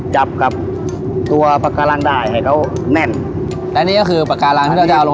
จับกับตัวปากการังได้ให้เขาแน่นและนี่ก็คือปากการังที่เราจะเอาลง